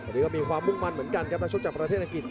อันนี้ก็มีความมุ่งมั่นเหมือนกันครับนักชุดจากประเทศอังกฤษ